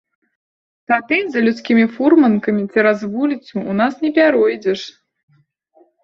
Тады за людскімі фурманкамі цераз вуліцу ў нас не пяройдзеш.